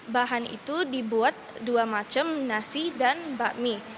bahan itu dibuat dua macam nasi dan bakmi